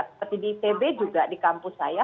seperti di itb juga di kampus saya